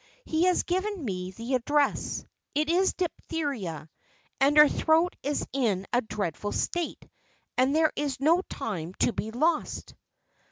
He has given me the address it is diphtheria, and her throat is in a dreadful state, and there is no time to be lost."